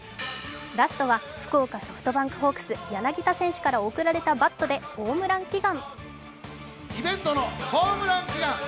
ラストは福岡ソフトバンクホークス柳田選手から贈られたバットでホームラン祈願。